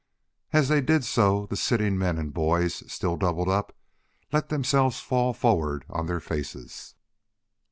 As they did so, the sitting men and boys, still doubled up, let themselves fall forward on their faces.